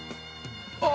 あ！